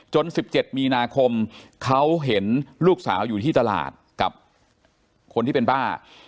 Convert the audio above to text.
๑๗มีนาคมเขาเห็นลูกสาวอยู่ที่ตลาดกับคนที่เป็นป้า